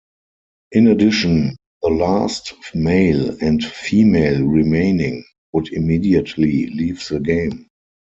In addition, the last male and female remaining would immediately leave the game.